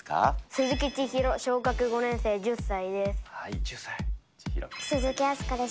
鈴木千尋、小学５年生１０歳鈴木茉華です。